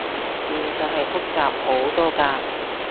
現實係複雜好多㗎